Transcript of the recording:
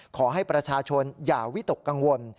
ขอให้ประชาชนอย่าวิตกกังวล